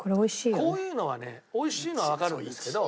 こういうのはね美味しいのはわかるんですけど。